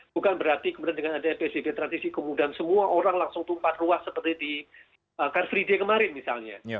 bukan berarti kemudian dengan adanya psbb transisi kemudian semua orang langsung tumpat ruas seperti di car free day kemarin misalnya